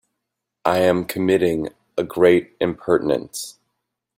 I am committing a great impertinence.